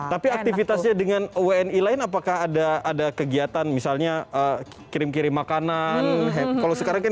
tapi aktivitasnya dengan wni lain apakah ada kegiatan misalnya kirim kirim makanan kalau sekarang kan